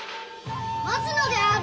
待つのである！